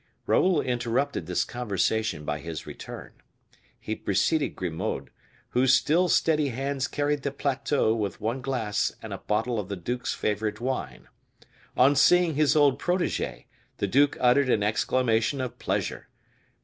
Raoul interrupted this conversation by his return. He preceded Grimaud, whose still steady hands carried the plateau with one glass and a bottle of the duke's favorite wine. On seeing his old protege, the duke uttered an exclamation of pleasure.